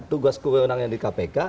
tugas kewenangan di kpk